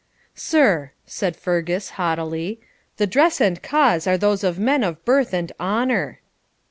'Sir,' said Fergus, haughtily, 'the dress and cause are those of men of birth and honour.'